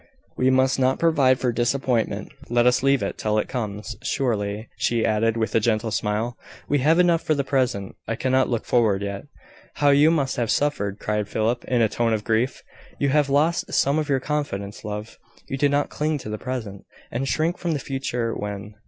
We must not provide for disappointment. Let us leave it till it comes. Surely," she added, with a gentle smile, "we have enough for the present. I cannot look forward yet." "How you must have suffered!" cried Philip, in a tone of grief. "You have lost some of your confidence, love. You did not cling to the present, and shrink from the future when...